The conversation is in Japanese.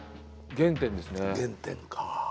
原点か。